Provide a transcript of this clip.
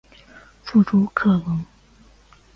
父朱克融。